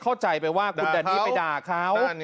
เข้าใจไปว่าคุณแดนนี่ไปด่าเขา